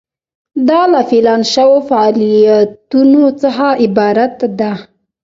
دا له پلان شوو فعالیتونو څخه عبارت ده.